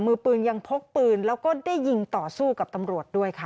มือปืนยังพกปืนแล้วก็ได้ยิงต่อสู้กับตำรวจด้วยค่ะ